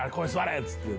っつって。